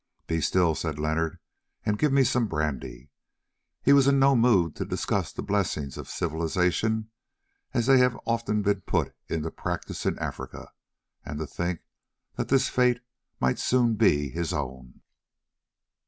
"Be still," said Leonard, "and give me some brandy." He was in no mood to discuss the blessings of civilisation as they have often been put into practice in Africa. And to think that this fate might soon be his own!